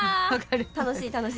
楽しい楽しい。